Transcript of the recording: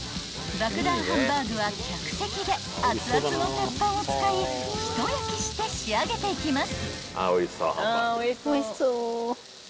［爆弾ハンバーグは客席であつあつの鉄板を使い一焼きして仕上げていきます］